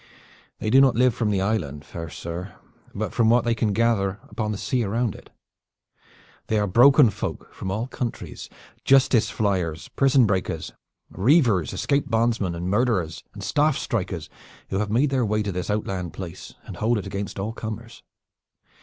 "They do not live from the island, fair sir, but from what they can gather upon the sea around it. They are broken folk from all countries, justice fliers, prison breakers, reavers, escaped bondsmen, murderers and staff strikers who have made their way to this outland place and hold it against all comers.